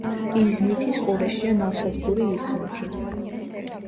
იზმითის ყურეშია ნავსადგური იზმითი.